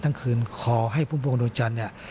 ทั้งคืนขอให้พุ่มพวกนับจร